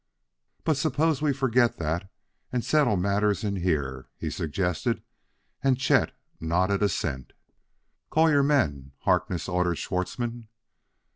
"But suppose we forget that and settle matters in here," he suggested; and Chet nodded assent. "Call your men!" Harkness ordered Schwartzmann.